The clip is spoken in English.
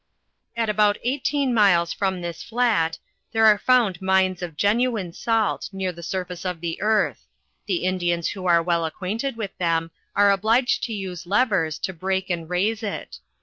At about 18 miles from this flat, there are (bund mines of genuine salt, near the surface of the earth: the Indians who are well acrjiriinted with them, are obliged to use levers, to break and raise it.